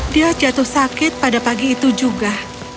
dia jatuh sakit pada pagi itu juga